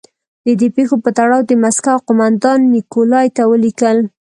د دې پېښو په تړاو د مسکو قومندان نیکولای ته ولیکل.